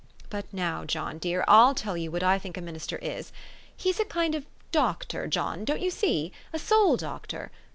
But now, John dear, I'll tell you what I think a minister is. He's a kind of a doctor, John, don't you see ? a soul doctor.